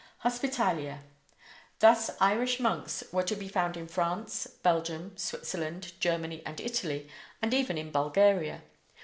HOSPITALIA: Thus Irish monks were to be found in France, Belgium, Switzerland, Germany, and Italy, and even in Bulgaria.